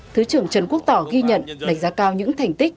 thứ trưởng trần quốc tỏ ghi nhận đánh giá cao những thành tích